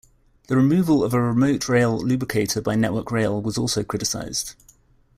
The removal of a remote rail lubricator by Network Rail was also criticised.